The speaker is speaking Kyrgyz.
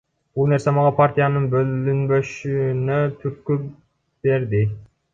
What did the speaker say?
Бул нерсе мага партиянын бөлүнбөшүнө түрткү берди.